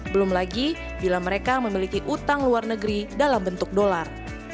belum lagi bila mereka memiliki utang luar negeri dalam bentuk dolar